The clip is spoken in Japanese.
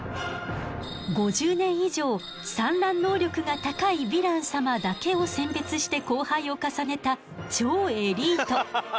５０年以上産卵能力が高いヴィラン様だけを選別して交配を重ねた超エリート。